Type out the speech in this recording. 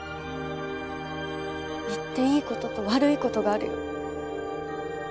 言っていいことと悪いことがあるよ。